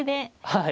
はい。